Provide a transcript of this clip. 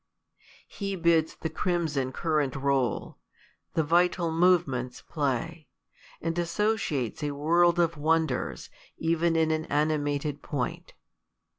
He bids the crimson current roll ; the vital move ments play ; and associates a world of wonders^ even in an animated point.